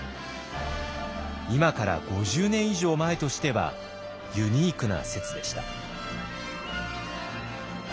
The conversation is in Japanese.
今から５０年以上前としてはユニークな説でした。